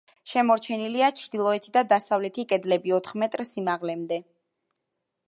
შემორჩენილია ჩრდილოეთი და დასავლეთი კედლები ოთხ მეტრ სიმაღლემდე.